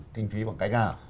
kinh phí bằng cách nào